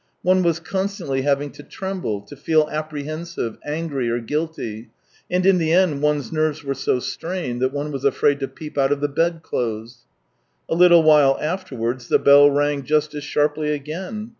One was constantly having to tremble, to feel apprehensive, angry or guilty, and in the end one's nerves were so strained, that one was afraid to peep out of the bed clothes. A little while afterwards the bell rang just as sharply again.